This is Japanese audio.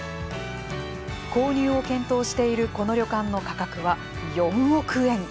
購入を検討しているこの旅館の価格は４億円。